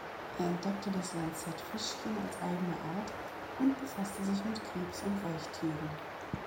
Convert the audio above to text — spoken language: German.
Er entdeckte das Lanzettfischchen als eigene Art und befasste sich mit Krebs- und Weichtieren.